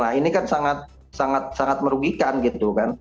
nah ini kan sangat sangat merugikan gitu kan